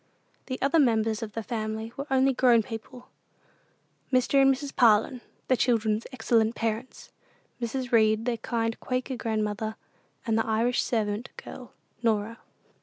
The other members of the family were only grown people: Mr. and Mrs. Parlin, the children's excellent parents; Mrs. Read, their kind Quaker grandmother; and the Irish servant girl, Norah.